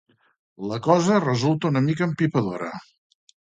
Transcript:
La cosa resulta una mica empipadora.